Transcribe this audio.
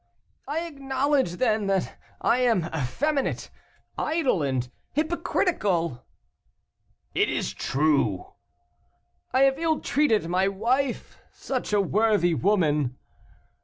"I acknowledge, then, that I am effeminate, idle, and hypocritical." "It is true." "I have ill treated my wife such a worthy woman."